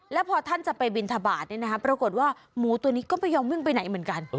แล้วพอท่านจะไปบินทบาทปรากฏว่าหมูตัวนี้ก็ไม่ยอมวิ่งไปไหนเหมือนกัน